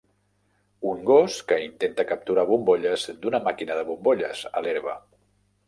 Un gos que intenta capturar bombolles d'una màquina de bombolles a l'herba